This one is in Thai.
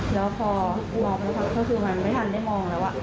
แล้วพอมองแล้วค่ะก็คือมันไม่ทันได้มองแล้วอ่ะ